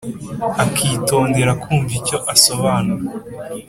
akitondera kumva icyo asobanura?